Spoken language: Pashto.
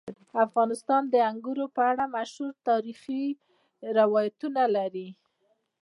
افغانستان د انګور په اړه مشهور تاریخی روایتونه لري.